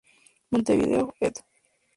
Montevideo, Ed.